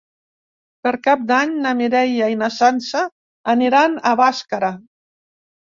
Per Cap d'Any na Mireia i na Sança aniran a Bàscara.